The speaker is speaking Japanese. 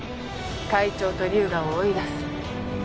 会長と龍河を追い出す。